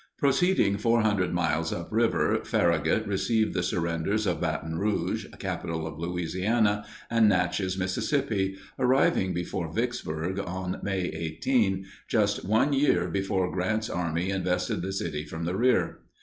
Proceeding 400 miles up river, Farragut received the surrenders of Baton Rouge, capital of Louisiana, and Natchez, Miss., arriving before Vicksburg on May 18, just 1 year before Grant's army invested the city from the rear.